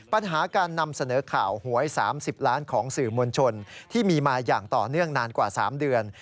ปัญหาการนำเสนอข่าวหวย๓๐ล้านของสื่อมวลชนที่มีมาอย่างต่อเนื่องนานกว่า๓เดือน